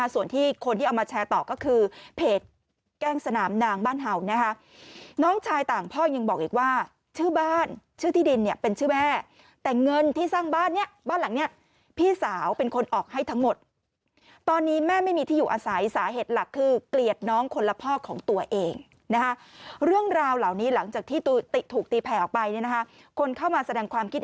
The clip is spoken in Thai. ส่วนที่คนที่เอามาแชร์ต่อก็คือเพจแกล้งสนามนางบ้านเห่านะคะน้องชายต่างพ่อยังบอกอีกว่าชื่อบ้านชื่อที่ดินเนี่ยเป็นชื่อแม่แต่เงินที่สร้างบ้านเนี่ยบ้านหลังนี้พี่สาวเป็นคนออกให้ทั้งหมดตอนนี้แม่ไม่มีที่อยู่อาศัยสาเหตุหลักคือเกลียดน้องคนละพ่อของตัวเองนะฮะเรื่องราวเหล่านี้หลังจากที่ถูกตีแผ่ออกไปเนี่ยนะคะคนเข้ามาแสดงความคิด